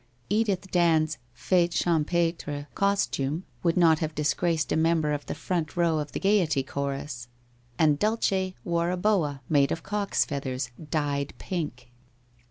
Edith Dand's fete champetre costume would not have disgraced a member of the front row of the Gaiety chorus, and Dulce wore a boa made of cock's feathers, dyed pink.